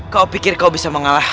kau pikir kau bisa mengalahkan